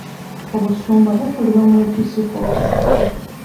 Obusumba bukulirwa mwepisikoopi.